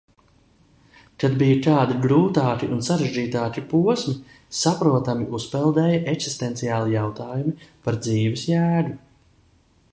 Kad bija kādi grūtāki un sarežģītāki posmi, saprotami "uzpeldēja" eksistenciāli jautājumi par dzīves jēgu.